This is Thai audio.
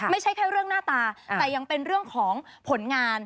ไม่ใช่แค่เรื่องหน้าตาแต่ยังเป็นเรื่องของผลงาน